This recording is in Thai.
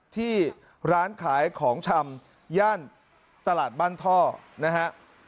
ที่ร้านขายของชำย่านตลาดบ้านท่อนะฮะ